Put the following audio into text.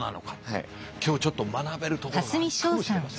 今日ちょっと学べるところがあるかもしれません。